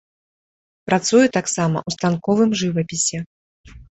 Працуе таксама ў станковым жывапісе.